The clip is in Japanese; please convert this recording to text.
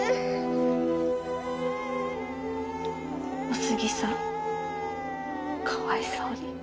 お杉さんかわいそうに。